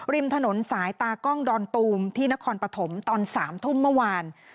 ริมถนนสายตากล้องดอนตูมที่นครปฐมตอน๓ทุ่มเมื่อวาน